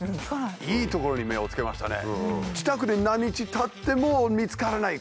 いいところに目をつけましたね。